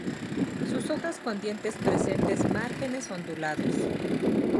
Sus hojas con dientes presentes márgenes ondulados.